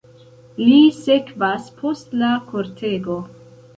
Li sekvas post la kortego.